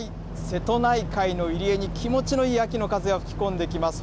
瀬戸内海の入り江に気持ちのいい秋の風が吹き込んできます。